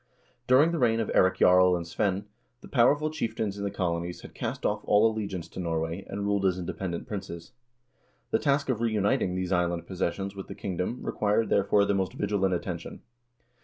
During the reign of Eirik Jarl and Svein, the powerful chieftains in the colonies had cast off all allegiance to Norway, and ruled as independent princes. The task of reuniting these island possessions with the kingdom required, therefore, the most vigilant attention.